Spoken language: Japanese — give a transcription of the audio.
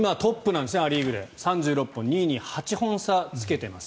今、ア・リーグでトップ３６本２位に８本差をつけています。